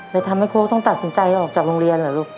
ทำให้โค้กต้องตัดสินใจออกจากโรงเรียนเหรอลูก